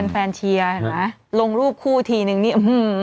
แฟนเชียร์ลงรูปคู่ทีนึงนี่